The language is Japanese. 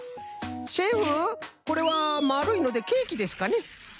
シェフこれはまるいのでケーキですかね？